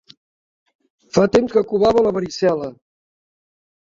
Fa temps que covava la varicel·la.